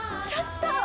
ちょっと。